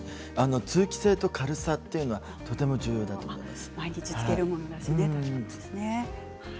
通気性と軽さとても重要だと思います。